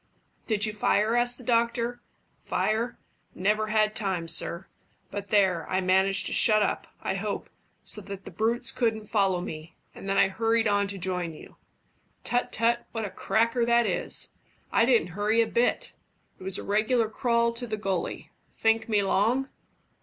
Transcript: "Did you fire?" asked the doctor. "Fire? Never had time, sir. But there, I managed to shut up, I hope, so that the brutes couldn't follow me, and then I hurried on to join you. Tut, tut, what a cracker that is! I didn't hurry a bit. It was a regular crawl to the gully. Think me long?"